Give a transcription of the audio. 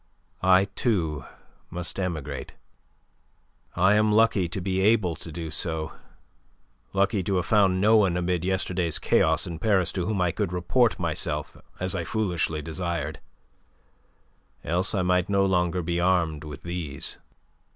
I, too, must emigrate. I am lucky to be able to do so, lucky to have found no one amid yesterday's chaos in Paris to whom I could report myself as I foolishly desired, else I might no longer be armed with these."